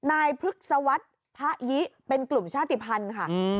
พฤกษวรรษพะยิเป็นกลุ่มชาติภัณฑ์ค่ะ